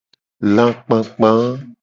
Lakpakpa.